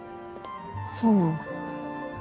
そうなんだ。